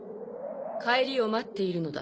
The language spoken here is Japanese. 帰りを待っているのだ。